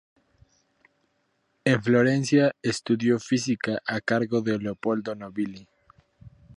En Florencia estudió física a cargo de Leopoldo Nobili.